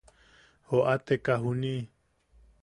¡Joʼateka juniʼi!